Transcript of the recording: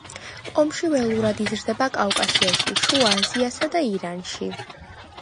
კომში ველურად იზრდება კავკასიაში, შუა აზიასა და ირანში.